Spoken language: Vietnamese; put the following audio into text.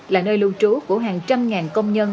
là nơi lưu trú của hàng trăm ngàn công nhân